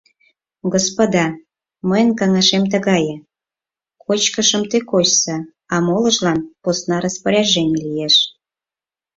— Господа, мыйын каҥашем тыгае — кочкышым те кочса, а молыжлан посна распоряжений лиеш.